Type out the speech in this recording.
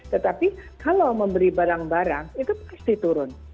tetapi kalau memberi barang barang itu pasti turun